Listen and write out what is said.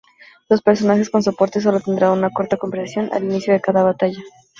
Los personajes con soporte sólo tendrán una corta conversación al inicio de cada batalla.